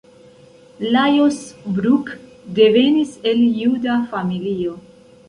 Lajos Bruck devenis el juda familio.